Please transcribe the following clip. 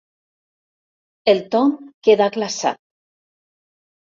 El Tom queda glaçat.